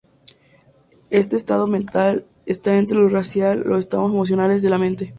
Este estado mental está entre lo racional los estados emocionales de la mente.